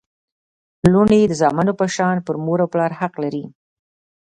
لوڼي د زامنو په شان پر مور او پلار حق لري